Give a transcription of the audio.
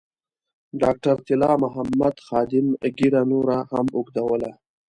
ډاکټر طلا محمد خادم ږیره نوره هم اوږدوله.